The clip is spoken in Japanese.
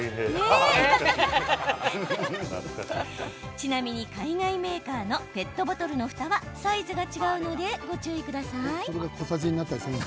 ちなみに海外メーカーのペットボトルのふたはサイズが違うのでご注意ください。